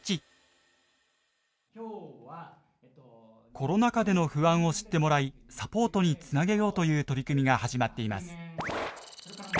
コロナ禍での不安を知ってもらいサポートにつなげようという取り組みが始まっています。